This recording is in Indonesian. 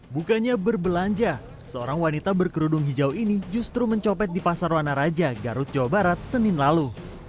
bukannya berbelanja seorang wanita berkerudung hijau ini justru mencopet di pasar wana raja garut jawa barat senin lalu